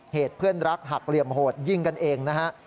เหตุเพื่อนรักหักเหลี่ยมโหดยิงกันเองนะฮะ